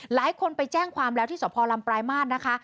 หลายคนไปแจ้งความแล้วที่สพลำปลายมาตรนะคะ